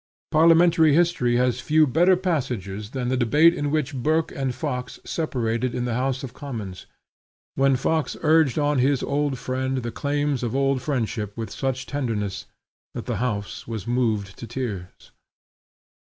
Parliamentary history has few better passages than the debate in which Burke and Fox separated in the House of Commons; when Fox urged on his old friend the claims of old friendship with such tenderness that the house was moved to tears.